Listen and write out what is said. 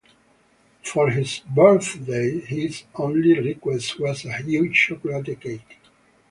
For his birthday his only request was a huge chocolate cake.